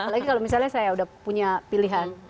lagi kalau misalnya saya sudah punya pilihan